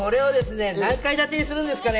何階建てにするんでしょうか？